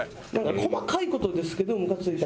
細かい事ですけどムカついた。